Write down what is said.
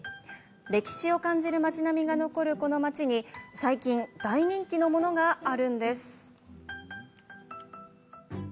歴史を感じる町並みが残るこの町に、最近大人気のものがあるんです。